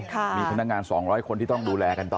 มีพนักงาน๒๐๐คนที่ต้องดูแลกันต่อ